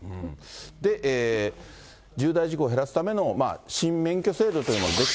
で、重大事故を減らすための新免許制度というもの